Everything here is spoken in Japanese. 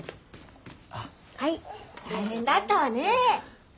はい大変だったわね。